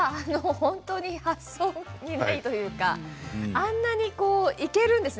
本当に発想にないというかあんなにいけるんですね。